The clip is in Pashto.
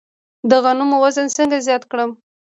د غنمو وزن څنګه زیات کړم؟